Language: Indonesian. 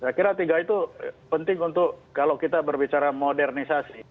saya kira tiga itu penting untuk kalau kita berbicara modernisasi